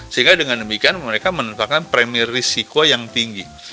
sehingga dengan demikian mereka menetapkan premier risiko yang tinggi